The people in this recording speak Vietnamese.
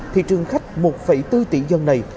thị trường khách một bốn tỷ dân này